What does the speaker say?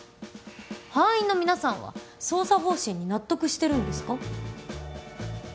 班員の皆さんは捜査方針に納得してるんですか？